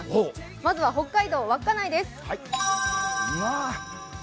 まずは北海道稚内です。